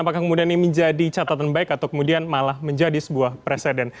apakah kemudian ini menjadi catatan baik atau kemudian malah menjadi sebuah presiden